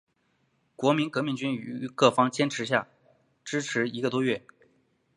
国民革命军于各方支持下坚持一个多月。